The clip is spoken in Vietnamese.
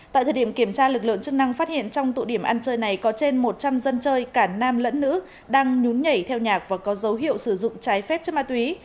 tại thời điểm kiểm tra lực lượng chức năng phát hiện trong tụ điểm ăn chơi này có trên một trăm linh dân chơi cả nam lẫn nữ đang nhún nhảy theo nhạc và có dấu hiệu sử dụng trái phép chất ma túy